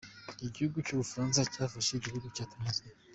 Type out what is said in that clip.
Igihugu cy’ubufaransa cyafashe igihugu cya Tuniziya.